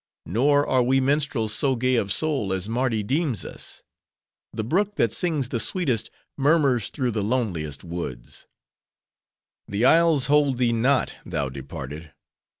Nor are we minstrels so gay of soul as Mardi deems us. The brook that sings the sweetest, murmurs through the loneliest woods: The isles hold thee not, thou departed!